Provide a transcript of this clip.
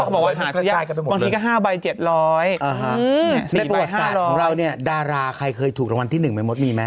บอกว่าบางทีก็๕ใบ๗๐๐ในประวัติศาสตร์ของเราเนี่ยดาราใครเคยถูกรางวัลที่๑ไหมมดมีไหม